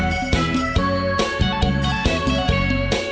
อินโทรเพลงโลยชาวราคมนี้คือควัฒนศ์ใหม่หายความสงสัยไม่มาก